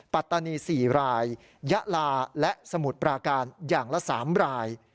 ปัตตานี๔รายยะลาและสมุทรปราการอย่างละ๓ราย